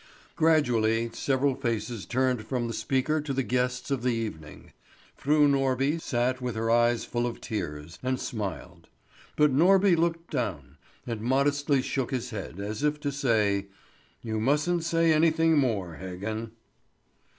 Gradually several faces turned from the speaker to the guests of the evening. Fru Norby sat with her eyes full of tears, and smiled; but Norby looked down, and modestly shook his head, as if to say, "You mustn't say anything more, Heggen."